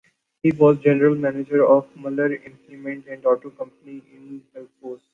He was general manager of Mueller Implement and Auto Company in Delphos.